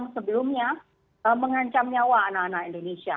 sebelumnya mengancam nyawa anak anak indonesia